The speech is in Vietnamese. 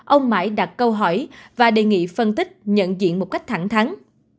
ông mãi đặt câu hỏi và đề nghị phân tích nhận diện một cách thẳng thắng